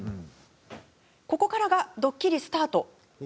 ここからがドッキリスタート。